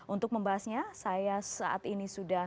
untuk membahasnya saya saat ini sudah